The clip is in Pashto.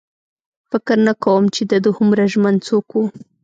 فکر نه کوم چې د ده هومره ژمن څوک و.